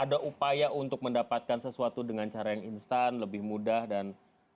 ada upaya untuk mendapatkan sesuatu dengan cara yang instan lebih mudah dan